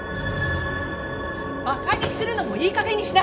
馬鹿にするのもいいかげんにしなさい！